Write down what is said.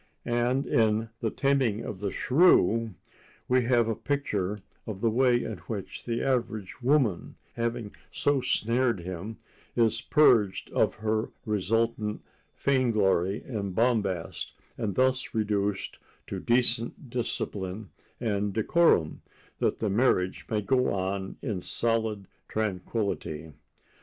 And in "The Taming of the Shrew" we have a picture of the way in which the average woman, having so snared him, is purged of her resultant vainglory and bombast, and thus reduced to decent discipline and decorum, that the marriage may go on in solid tranquillity.